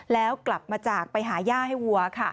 แล้วกลับมาจากไปหาย่าให้วัวค่ะ